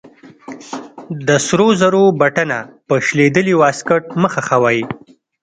د سرو زرو بټنه په شلېدلې واسکټ مه خښوئ.